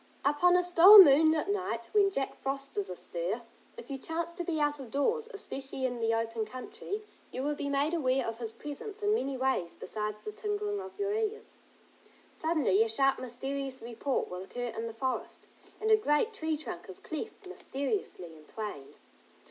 Upon a still moonlit night, when Jack Frost is astir, if you chance to be out of doors, especially in the open country, you will be made aware of his presence in many ways besides the tingling of your ears. Suddenly a sharp mysterious report will occur in the forest, and a great tree trunk is cleft mysteriously in twain.